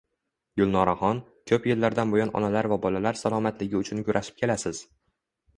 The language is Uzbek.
Gulnoraxon, ko`p yillardan buyon onalar va bolalar salomatligi uchun kurashib kelasiz